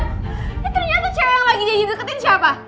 ternyata cewek yang lagi jadi deketin siapa